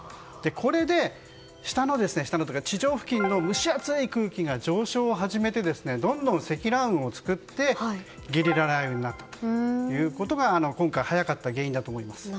これで地上付近の蒸し暑い空気が上昇を始めてどんどん積乱雲を作ってゲリラ雷雨になったことが今回、早かった原因だと思います。